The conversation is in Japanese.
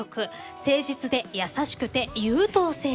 誠実で優しくて優等生タイプ。